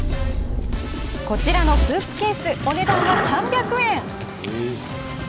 こちらのスーツケースお値段は３００円。